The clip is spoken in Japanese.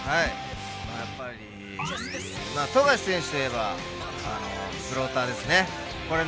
やっぱり富樫選手といえばフローターですね。